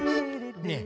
ねえ。